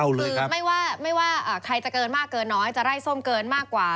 คือไม่ว่าใครจะเกินมากเกินน้อยจะไร้ส้มเกินมากกว่า